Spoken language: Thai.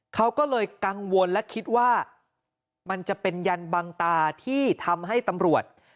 เขาก็เลยกังวลและคิดว่ามันจะเป็นยันบังตาที่ทำให้ตำรวจ